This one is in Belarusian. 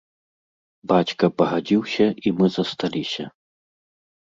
Бацька пагадзіўся, і мы засталіся.